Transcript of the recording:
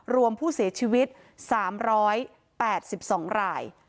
รวมผู้เสียชีวิต๓๘๒ราย